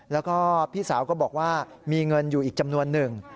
แล้วก็พี่สาวก็บอกว่ามีเงินอยู่อีกจำนวนหนึ่ง